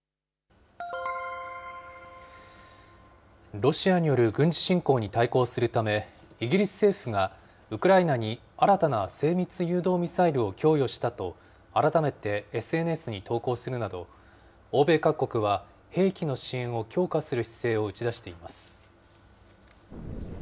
ロシアによる軍事侵攻に対抗するため、イギリス政府がウクライナに新たな精密誘導ミサイルを供与したと、改めてＳＮＳに投稿するなど、欧米各国は兵器の支援を強化する姿勢を打ち出しています。